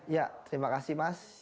ya terima kasih mas